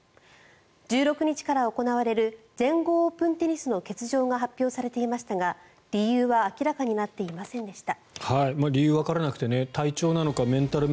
１６日から行われる全豪オープンテニスの欠場が発表されていましたが、理由は明らかになっていませんでした。